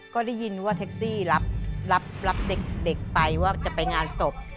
ก็ได้ยินว่าแท็กซี่รับเด็กไปว่าจะไปงานศพ